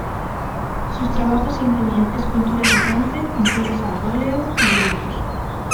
Sus trabajos incluyen esculturas de bronce, pinturas al óleo y dibujos.